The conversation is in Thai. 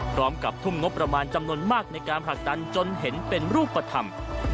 พร้อมกับทุ่มงบประมาณจำนวนมากในการผลักดันจนเห็นเป็นรูปธรรม